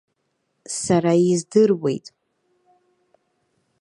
Сара издыруеит.